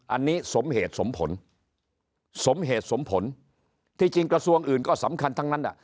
อันนี้สมเหตุสมผลสมเหตุสมผลที่จริงกระทรวงอื่นก็สำคัญทั้งนั้น